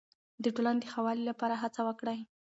د ټولنې د ښه والي لپاره هڅه وکړئ.